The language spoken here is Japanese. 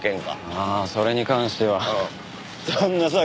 ああそれに関しては旦那さんがいました。